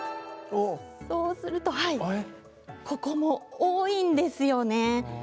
そうすると、ここも多いんですよね。